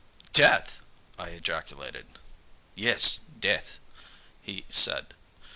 "Death!" I ejaculated. "Yes, death," he said.